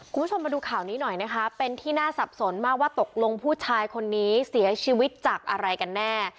คุณผู้ชมมาดูข่าวนี้หน่อยนะคะเป็นที่น่าสับสนมากว่าตกลงผู้ชายคนนี้เสียชีวิตจากอะไรกันแน่